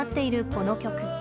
この曲。